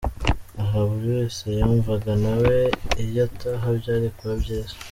Aha buri wese yumvaga nawe iyo ataha byari kuba byiza.